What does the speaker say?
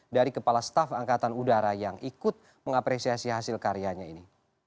dari kepala staf angkatan udara yang ikut mengapresiasi hasil karyanya ini